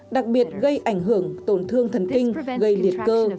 đặc biệt gây ảnh hưởng tổn thương thần kinh gây liệt cơ